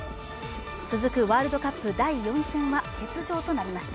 続くワールドカップ第４戦は欠場となりました。